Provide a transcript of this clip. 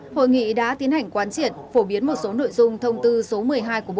hội nghị đã tiến hành quán triển phổ biến một số nội dung thông tư số một mươi hai của bộ